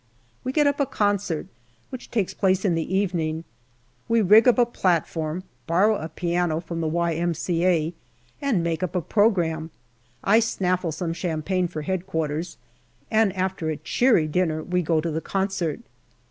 We get up a concert, which takes place in the evening. We rig up a platform, borrow a piano from the Y.M.C.A., and make up a programme. I snaffle some champagne for Headquarters, and after a cheery dinner we go to the concert.